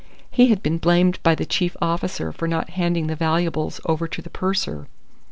He had been blamed by the chief officer for not handing the valuables over to the purser.